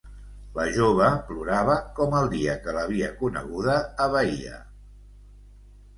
La jove plorava, com el dia que l'havia coneguda a Baia.